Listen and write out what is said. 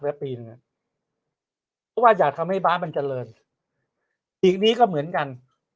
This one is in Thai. แต่ตีหนึ่งเป็นผิดหากให้บ้านมันเจริญอีกนี้ก็เหมือนกัน